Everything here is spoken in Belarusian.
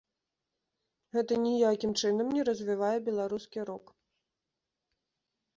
Гэта ніякім чынам не развівае беларускі рок.